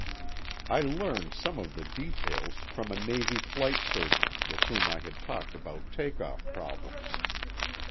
I learned some of the details from a Navy flight surgeon with whom I had talked about take off problems.